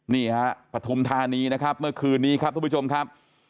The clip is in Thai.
นี่ฮะปฐุมธานีนะครับเมื่อคืนนี้ครับทุกผู้ชมครับ